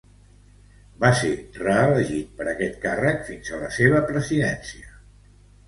Va ser reelegit per a este càrrec fins a la seua presidència.